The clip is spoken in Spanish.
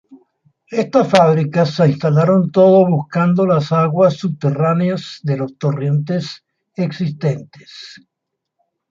Estas fábricas se instalaron todo buscando las aguas subterráneas de los torrentes existentes.